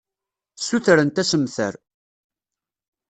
Ssutrent assemter.